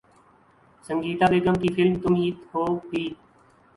سنگیتا بیگم کی فلم ’تم ہی ہو‘ بھی